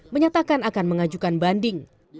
menyatakan akan mengajukan banding